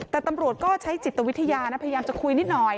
แต่ตำรวจก็ใช้จิตวิทยานะพยายามจะคุยนิดหน่อย